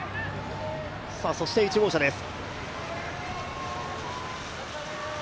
そして１号車です。